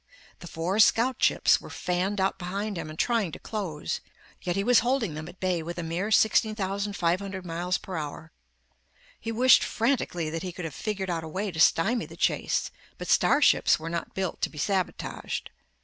The four scout ships were fanned out behind him and trying to close, yet he was holding them at bay with a mere 16,500 m.p.h. He wished frantically that he could have figured out a way to stymie the chase, but starships were not built to be sabotaged.